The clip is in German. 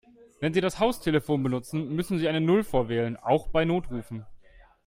Wenn Sie das Haustelefon benutzen, müssen Sie eine Null vorwählen, auch bei Notrufen.